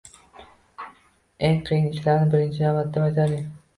Eng qiyin ishlarni birinchi navbatda bajaring.